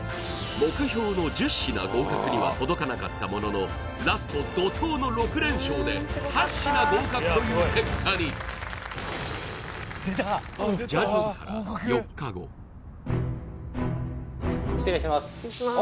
目標の１０品合格には届かなかったもののラスト怒とうの６連勝で８品合格という結果に失礼します